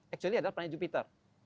actually adalah planet jupiter